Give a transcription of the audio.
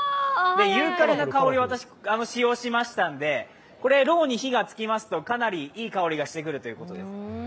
ユーカリの香りを使用しましたので、ろうに火がつくとかなりいい香りがしてくるということです。